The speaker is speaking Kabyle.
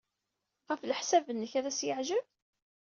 Ɣef leḥsab-nnek, ad as-yeɛjeb?